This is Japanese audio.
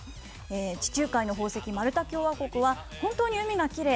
地中海の宝石、マルタ共和国は本当に海がきれい。